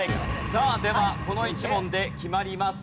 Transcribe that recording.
さあではこの１問で決まります。